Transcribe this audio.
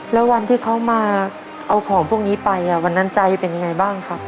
แล้ววันที่เขามาเอาของพวกนี้ไปวันนั้นใจเป็นยังไงบ้างครับ